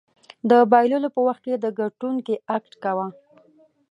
د بایللو په وخت کې د ګټونکي اکټ کوه.